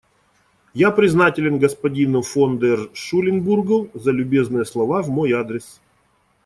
Я признателен господину фон дер Шуленбургу за любезные слова в мой адрес.